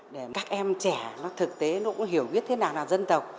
để các em trẻ nó thực tế nó cũng hiểu biết thế nào là dân tộc